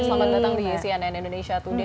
selamat datang di cnn indonesia today